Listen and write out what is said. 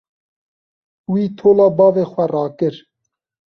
Wî tola bavê xwe rakir.